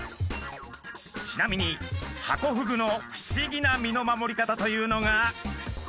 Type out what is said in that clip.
ちなみにハコフグの不思議な身の守り方というのが。